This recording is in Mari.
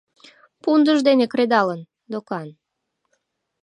— Пундыш дене кредалын, докан...